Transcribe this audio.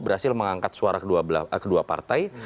berhasil mengangkat suara kedua partai